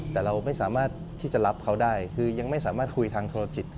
แต่เราไม่สามารถที่จะรับเขาได้คือยังไม่สามารถคุยทางโทรศัพท์